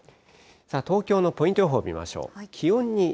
東京のポイント予報見ましょう。